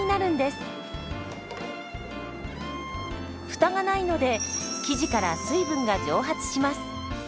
フタがないので生地から水分が蒸発します。